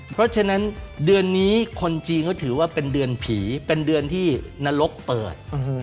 เพราะฉะนั้นเดือนนี้คนจีนเขาถือว่าเป็นเดือนผีเป็นเดือนที่นรกเปิด